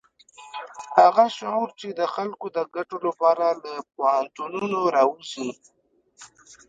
هغه شعور چې د خلکو د ګټو لپاره له پوهنتونونو راوزي.